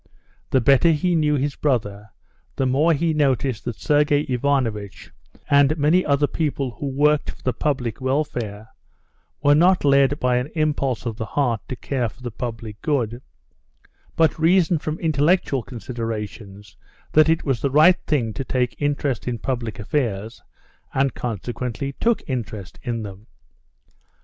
The better he knew his brother, the more he noticed that Sergey Ivanovitch, and many other people who worked for the public welfare, were not led by an impulse of the heart to care for the public good, but reasoned from intellectual considerations that it was a right thing to take interest in public affairs, and consequently took interest in them.